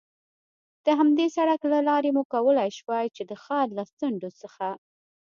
د همدې سړک له لارې مو کولای شوای، چې د ښار له څنډو څخه.